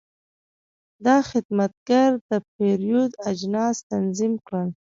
دا خدمتګر د پیرود اجناس تنظیم کړل.